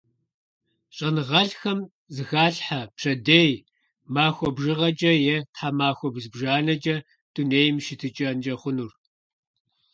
ЩӀэныгъэлӀхэм зэхалъхьэ пщэдей, махуэ бжыгъэкӀэ е тхьэмахуэ зыбжанэкӀэ дунейм и щытыкӀэнкӀэ хъунур.